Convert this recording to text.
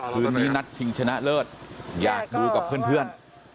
คืนนี้นัดชิงชนะเลิศอยากดูกับเพื่อน